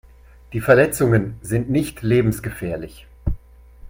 Die Verletzungen sind nicht lebensgefährlich.